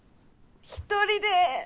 一人で！